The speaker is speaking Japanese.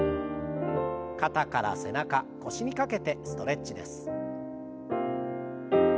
肩から背中腰にかけてストレッチです。